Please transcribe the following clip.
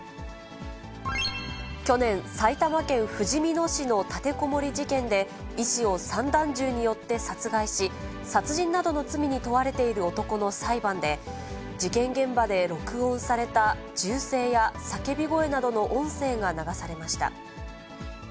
去年、埼玉県ふじみ野市の立てこもり事件で、医師を散弾銃によって殺害し、殺人などの罪に問われている男の裁判で、事件現場で録音された銃声や叫び声などの音声が流されました。